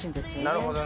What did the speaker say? なるほどね。